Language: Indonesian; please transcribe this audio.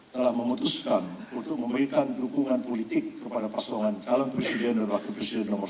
telah memutuskan untuk memberikan dukungan politik kepada pasangan calon presiden dan wakil presiden nomor satu